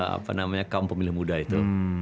apa namanya kaum pemilih muda itu